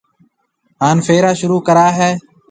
ھان ڦيرا شروع ڪرائيَ ھيََََ